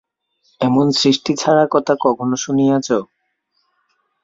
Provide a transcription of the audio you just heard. এমন সৃষ্টিছাড়া কথা কখনো শুনিয়াছ?